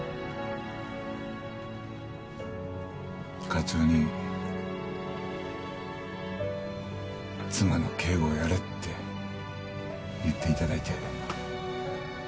課長に妻の警護をやれって言って頂いて。